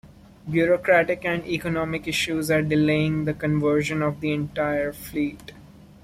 Bureaucratic and economic issues are delaying the conversion of the entire fleet.